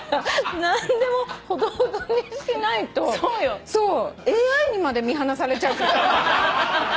何でもほどほどにしないとＡＩにまで見放されちゃう。